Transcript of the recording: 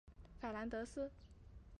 法兰德斯。